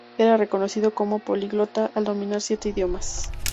Era reconocido como políglota al dominar siete idiomas.